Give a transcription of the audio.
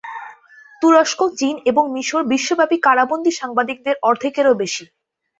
তুরস্ক, চীন এবং মিশর বিশ্বব্যাপী কারাবন্দী সাংবাদিকদের অর্ধেকেরও বেশি।